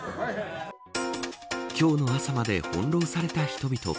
今日の朝まで翻弄された人々。